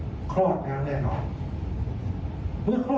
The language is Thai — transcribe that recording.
เมื่อคลอดน้ำแน่นอนนั้นเนี่ยก็จะไม่มีเงื่อนไขอีก